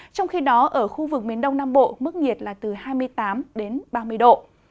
trong khi đó ở khu vực miền đông nam bộ mức nhiệt là từ hai mươi tám đến ba mươi độ